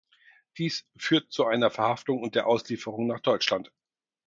Dies führt zu seiner Verhaftung und der Auslieferung nach Deutschland.